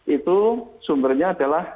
itu sumbernya adalah